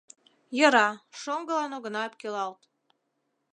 Йӧра, шоҥгылан огына ӧпкелалт.